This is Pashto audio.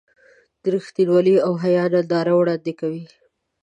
د رښتینولۍ او حیا ننداره وړاندې کوي.